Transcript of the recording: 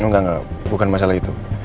enggak bukan masalah itu